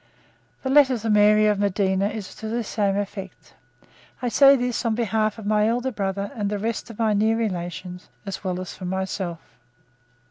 The letter to Mary of Modena is to the same effect. "I say this in behalf of my elder brother, and the rest of my nearest relations, as well as from myself."